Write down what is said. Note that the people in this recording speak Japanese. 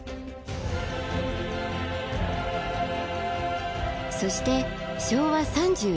そして昭和３１年。